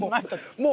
もう。